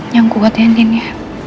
yang kuat ya ngin ya